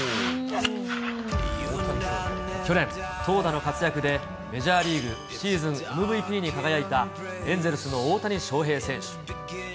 去年、投打の活躍でメジャーリーグシーズンＭＶＰに輝いた、エンゼルスの大谷翔平選手。